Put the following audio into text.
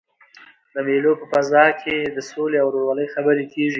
د مېلو په فضا کښي د سولي او ورورولۍ خبري کېږي.